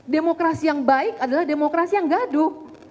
demokrasi yang baik adalah demokrasi yang gaduh